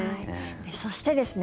そしてですね